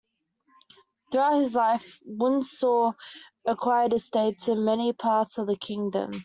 Throughout his life Wyndsore acquired estates in many parts of the kingdom.